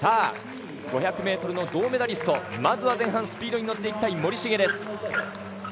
５００ｍの銅メダリストまずは前半スピードに乗っていきたい森重です。